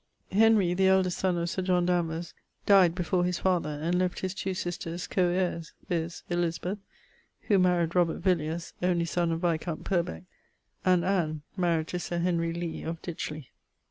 Henry, the eldest son of Sir John Danvers, dyed before his father, and left his two sisters co heires, viz. Elizabeth married Robert Viliers (only son of viscount Purbec), and Anne, married to Sir Lee of Ditchley.